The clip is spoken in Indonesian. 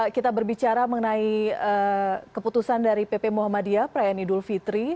kita berbicara mengenai keputusan dari pp muhammadiyah perayaan idul fitri